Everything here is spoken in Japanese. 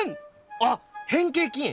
あっ変形菌！